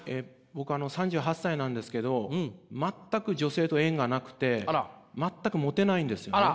僕３８歳なんですけど全く女性と縁がなくて全くモテないんですよね。